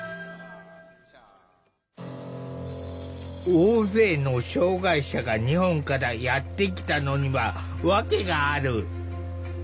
大勢の障害者が日本からやって来たのには訳がある。